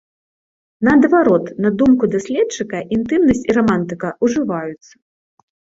Наадварот, на думку даследчыка, інтымнасць і рамантыка ўжываюцца.